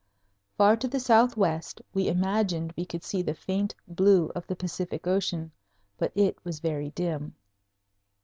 Far to the southwest we imagined we could see the faint blue of the Pacific Ocean, but it was very dim.